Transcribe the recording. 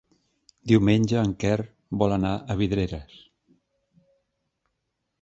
Diumenge en Quer vol anar a Vidreres.